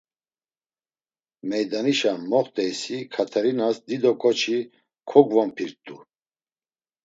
Meydanişa moxt̆eysi Katerinas dido ǩoçi kogvonpirt̆u.